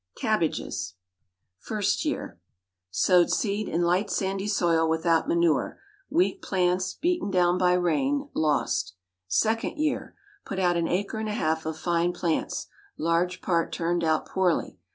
CABBAGES. First Year. Sowed seed in light sandy soil without manure. Weak plants, beaten down by rain, lost. Second Year. Put out an acre and a half of fine plants: large part turned out poorly.